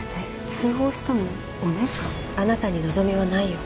あなたに望みはないよ。